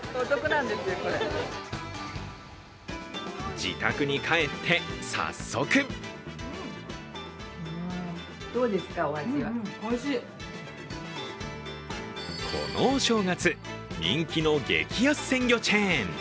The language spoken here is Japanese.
自宅に帰って早速このお正月、人気の激安鮮魚チェーン。